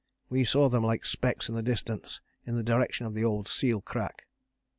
We saw them like specks in the distance in the direction of the old seal crack.